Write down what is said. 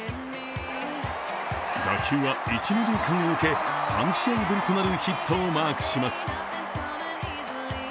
打球は一・二塁間を抜け、３試合ぶりとなるヒットをマークします。